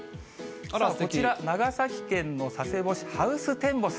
こちら、長崎県の佐世保市、ハウステンボス。